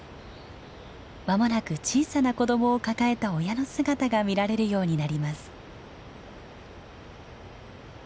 間もなく小さな子どもを抱えた親の姿が見られるようになります。